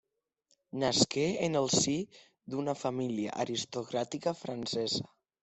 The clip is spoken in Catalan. Nasqué en el si d'una família aristocràtica francesa.